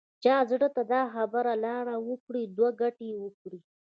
چا زړه ته دا خبره لاره وکړي دوه ګټې وکړي.